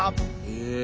へえ。